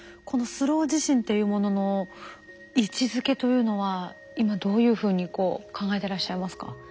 このスロー地震っていうものの位置づけというのは今どういうふうにこう考えてらっしゃいますか？